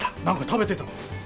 何か食べてた。